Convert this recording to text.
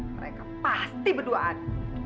mereka pasti berduaan